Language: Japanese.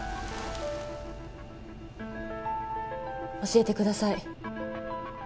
教えてください。